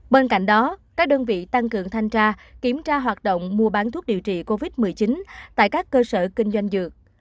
bên cạnh đó các đơn vị tăng cường thanh tra kiểm tra hoạt động mua bán thuốc điều trị covid một mươi chín tại các cơ sở kinh doanh dược